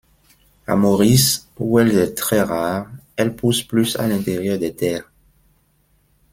À Maurice, où elle est très rare, elle pousse plus à l'intérieur des terres.